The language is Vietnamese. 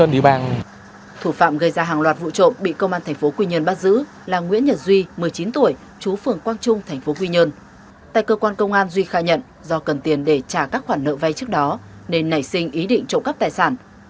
đoạn vụ trộm bị công an tp quy nhơn bắt giữ là nguyễn nhật duy một mươi chín tuổi chú phường quang trung tp quy nhơn tại cơ quan công an duy khai nhận do cần tiền để trả các khoản nợ vay trước đó nên nảy sinh ý định trộm cắp tài sản